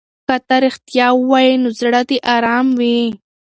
که ته رښتیا ووایې نو زړه دې ارام وي.